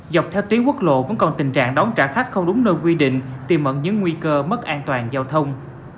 dọc theo tuyến quốc lộ vẫn còn tình trạng đóng trả khách không đúng nơi quy định tìm mận những nguy cơ mất an toàn giao thông